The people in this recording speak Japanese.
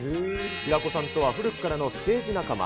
平子さんとは古くからのステージ仲間。